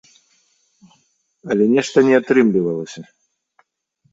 Але нешта не атрымлівалася.